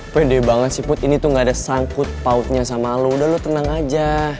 pede banget sih put ini tuh gak ada sangkut pautnya sama lo udah lu tenang aja